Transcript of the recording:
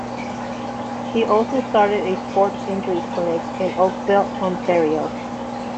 He also started a sport injury clinic in Oakville, Ontario.